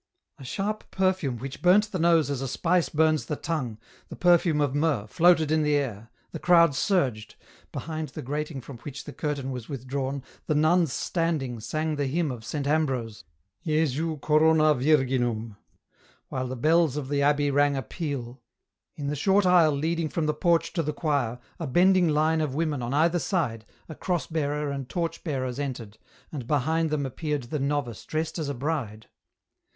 A sharp perfume which burnt the nose as a spice burns the tongue, the perfume of myrrh, floated in the air, the crowds surged ; behind the grating from which the curtain was withdrawn, the nuns standing sang the hymn of Saint Ambrose, " Jesu corona virginum," while the bells of the abbey rang a peal ; in the short aisle leading from the porch to the choir, a bending line of women on either side, a cross bearer and torch bearers entered, and behind them appeared the novice dressed as a bride.